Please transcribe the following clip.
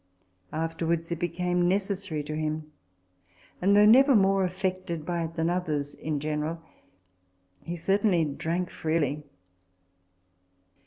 Afterwards it became necessary to him ; and though never more affected by it than others in general, he certainly drank freely.